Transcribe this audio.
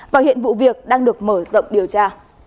và hiện vụ việc đang được mở rộng điều tra